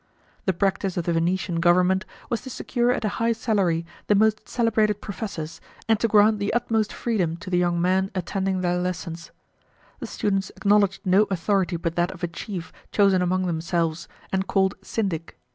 The practice of the Venetian government was to secure at a high salary the most celebrated professors, and to grant the utmost freedom to the young men attending their lessons. The students acknowledged no authority but that of a chief, chosen among themselves, and called syndic.